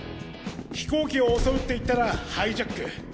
飛行機を襲うっていったらハイジャック！